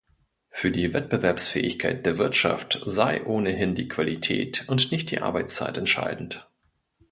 Für die Wettbewerbsfähigkeit der Wirtschaft sei ohnehin die Qualität und nicht die Arbeitszeit entscheidend.